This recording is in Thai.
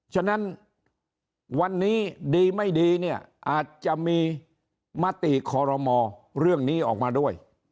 ฉะนั้นวันนี้ดีไม่ดีเนี่ยอาจจะมีมติคอรมอเรื่องนี้ออกมาด้วย